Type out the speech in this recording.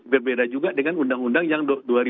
berbeda juga dengan undang undang yang dua ribu dua